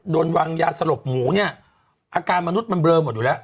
โดนวางยาสลบหมูเนี่ยอาการมนุษย์มันเบลอหมดอยู่แล้ว